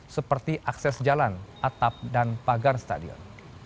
seperti akses jalan atap dan pagar stadion